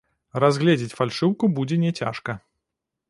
Разгледзець фальшыўку будзе няцяжка.